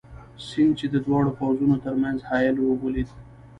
سیند، چې د دواړو پوځونو تر منځ حایل وو، ولید.